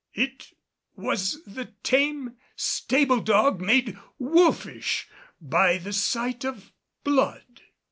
It was the tame stable dog made wolfish by the sight of blood.